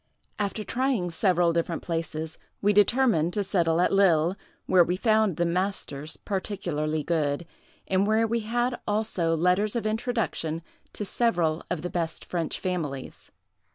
After trying several different places, we determined to settle at Lille, where we found the masters particularly good, and where we had also letters of introduction to several of the best French families.